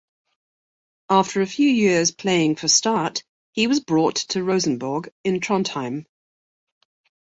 After a few years playing for Start, he was brought to Rosenborg in Trondheim.